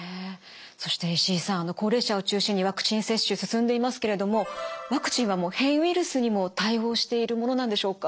そして石井さん高齢者を中心にワクチン接種進んでいますけれどもワクチンはもう変異ウイルスにも対応しているものなんでしょうか？